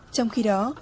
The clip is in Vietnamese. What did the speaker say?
trong khi đó